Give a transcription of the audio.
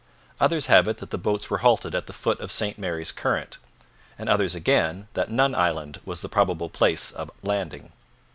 Others have it that the boats were halted at the foot of St Mary's current, and others again that Nun Island was the probable place of landing.